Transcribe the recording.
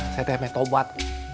saya teh metobat